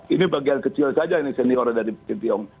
ini bagian kecil saja ini senior dari sintiong